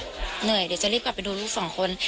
เหนื่อยเดี๋ยวจะรีบกลับไปดูลูกสองคน